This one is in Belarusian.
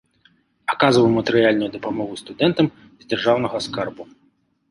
Аказваў матэрыяльную дапамогу студэнтам з дзяржаўнага скарбу.